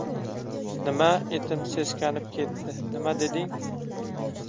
Nima? - Etim seskanib ketdi. - Nima deding?